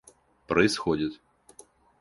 происходит